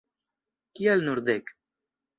Kial nur dek?